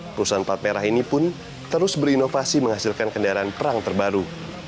perusahaan plat merah ini pun terus berinovasi menghasilkan kendaraan perang terbaru